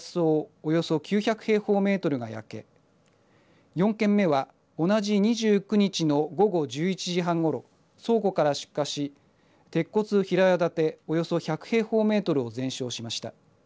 およそ９００平方メートルが焼け４件目は、同じ２９日の午後１１時半ごろ倉庫から出火し、鉄骨平屋建ておよそ１００平方メートルを全焼しました。